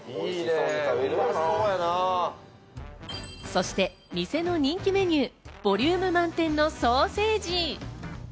そして店の人気メニュー、ボリューム満点のソーセージ。